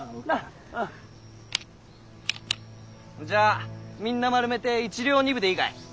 じゃあみんな丸めて１両２分でいいかい。